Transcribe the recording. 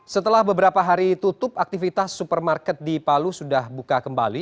setelah beberapa hari tutup aktivitas supermarket di palu sudah buka kembali